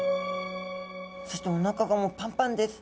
そしておなかがもうパンパンです。